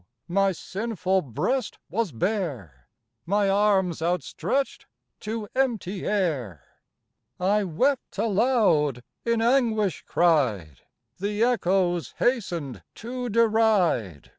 my sinful breast was bare, My arms outstretched to empty air. I wept aloud, in anguish cried, The echoes hastened to deride!